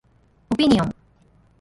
オピニオン